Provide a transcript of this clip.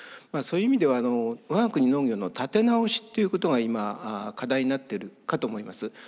そういう意味ではあの我が国農業の立て直しっていうことが今課題になってるかと思います。